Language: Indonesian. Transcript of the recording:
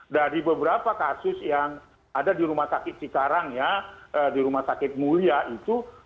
dari beberapa kasus yang ada di rumah sakit cikarang ya di rumah sakit mulia itu